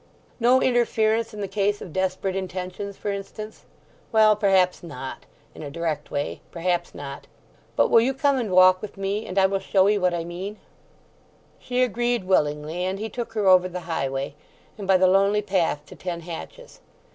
"No interference in the case of desperate intentions, for instance? Well, perhaps not, in a direct way. Perhaps not. But will you come and walk with me, and I will show 'ee what I mean." She agreed willingly, and he took her over the highway, and by the lonely path to Ten Hatches.